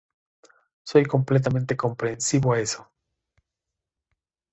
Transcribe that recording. Soy completamente comprensivo a eso".